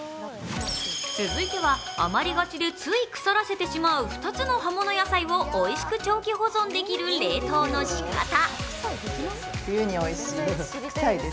続いては、あまりがちでつい腐らせてしまう２つの葉物野菜をおいしく長期保存できる冷凍のしかた。